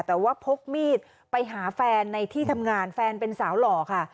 แต่ว่าพกมีดไปหาแฟนในที่ทำงานแฟนเป็นสาวหล่อค่ะ